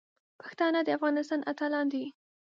پښتانه د افغانستان اتلان دي.